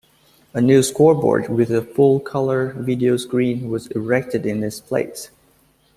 A new scoreboard with a full-color video screen was erected in its place.